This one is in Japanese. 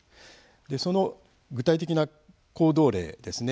その具体的な行動例ですね